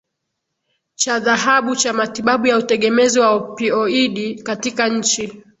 cha dhahabu cha matibabu ya utegemezi wa opioidi katika nchi